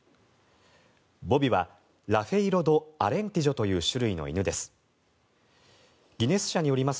ボビは、ラフェイロ・ド・アレンティジョという種類の犬です。